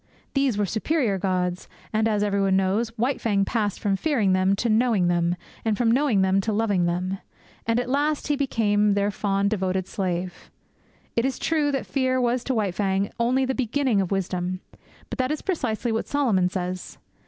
These were superior gods; and, as everybody knows, White Fang passed from fearing them to knowing them, and from knowing them to loving them. And at last he became their fond, devoted slave. It is true that fear was to White Fang only the beginning of wisdom; but that is precisely what Solomon says.